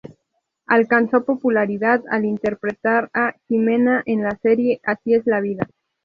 Alcanzó popularidad al interpretar a Jimena en la serie "Así es la vida".